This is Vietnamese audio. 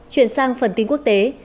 chuyển sang phần tin quốc tế